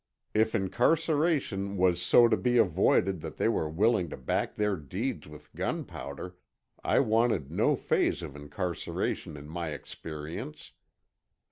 If incarceration was so to be avoided that they were willing to back their deeds with gunpowder, I wanted no phase of incarceration in my experience.